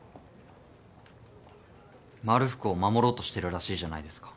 まるふくを守ろうとしてるらしいじゃないですか。